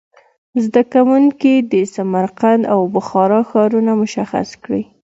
زده کوونکي دې سمرقند او بخارا ښارونه مشخص کړي.